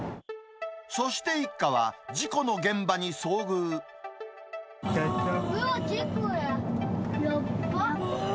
そして一家は、事故の現場にうわっ、事故だ。